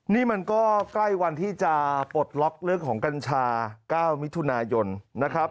นี่มันก็ใกล้วันที่จะปลดล็อกเรื่องของกัญชา๙มิถุนายนนะครับ